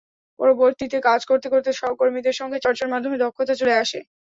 পরবর্তীতে কাজ করতে করতে সহকর্মীদের সঙ্গে চর্চার মাধ্যমে দক্ষতা চলে আসে।